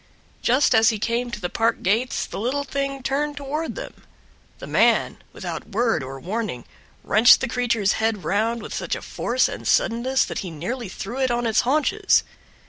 Just as he came to the park gates the little thing turned toward them; the man, without word or warning, wrenched the creature's head round with such a force and suddenness that he nearly threw it on its haunches.